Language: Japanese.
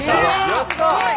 やった！